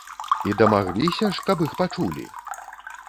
І дамагліся ж, каб іх пачулі!